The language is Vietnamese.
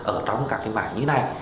ở trong các mạng như này